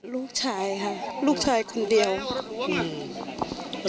พวกผู้ต้องหาค่ะ